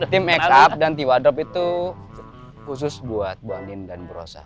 tim make up dan ti wardrobe itu khusus buat bu andien dan bu rosa